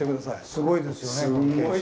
すごいですよね傾斜。